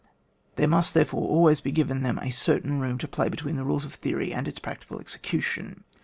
There must, therefore, always be given them a certain room to play between the rules of theory and its prac tical execution.